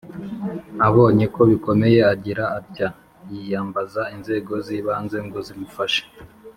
Abonye ko bikomeye agira atya yiyambaza inzego zibanze ngo zimufashe